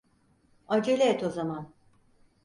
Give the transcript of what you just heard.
Acele et o zaman.